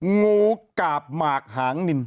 งูกาบหมากหางนิน